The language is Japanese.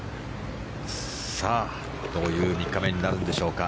さあ、どういう３日目になるんでしょうか。